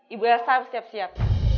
ibu elsa siap siap